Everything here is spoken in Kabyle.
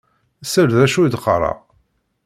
Sel d acu i d-qqareɣ.